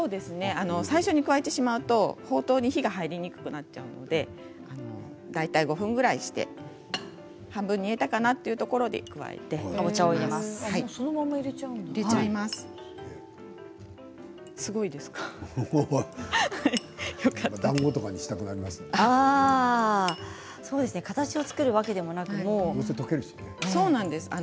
最初に加えてしまうとほうとうに火が入りにくくなってしまうので大体５分ぐらいして半分煮えたかなというところに加えてください。